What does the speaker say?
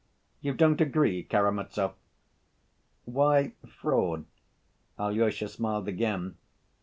You don't agree, Karamazov?" "Why 'fraud'?" Alyosha smiled again.